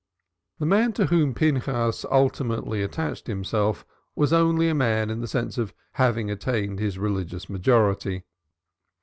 The man to whom Pinchas ultimately attached himself was only a man in the sense of having attained his religious majority.